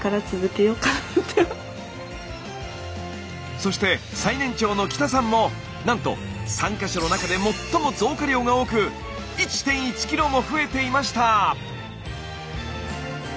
そして最年長の北さんもなんと参加者の中で最も増加量が多く１．１ｋｇも増えていました！